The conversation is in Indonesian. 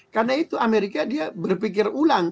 karena itu amerika dia berpikir ulang